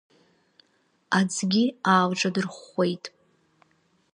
Аӡгьы аалҿадырхәхәеит.